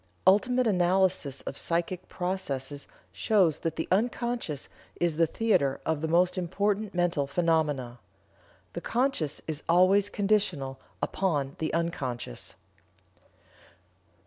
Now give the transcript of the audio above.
Ultimate analysis of psychic processes shows that the unconscious is the theater of the most important mental phenomena. The conscious is always conditional upon the unconscious."